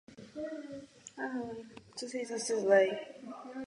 Kromě toho zachytil život na Valašsku v době kolektivizace.